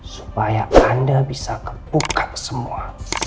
supaya anda bisa kepukar semua